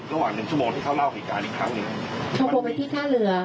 ระหว่างหนึ่งชั่วโมงที่เขาเล่าเหตุการณ์อีกครั้งหนึ่งเขาโทรไปที่ท่าเรือ